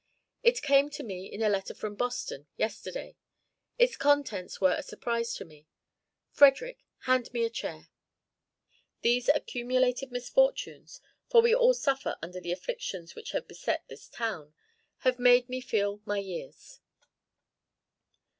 It came to me in a letter from Boston yesterday. Its contents were a surprise to me. Frederick, hand me a chair. These accumulated misfortunes for we all suffer under the afflictions which have beset this town have made me feel my years."